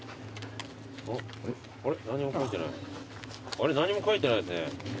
あれ何も書いてないですね。